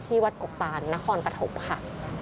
ที่วัดกกตานณคอนประถมค่ะ